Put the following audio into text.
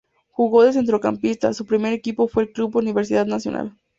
Jugó de centrocampista, su primer equipo fue el Club Universidad Nacional.